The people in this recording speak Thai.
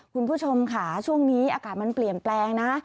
คุณผู้ชมค่ะช่วงนี้อากาศมันเปลี่ยนแปลงนะ